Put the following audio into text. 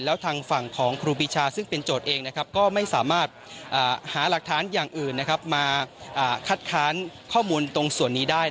แล้วทางฝั่งของครูปีชาซึ่งเป็นโจทย์เองก็ไม่สามารถหาหลักฐานอย่างอื่นมาคัดค้านข้อมูลตรงส่วนนี้ได้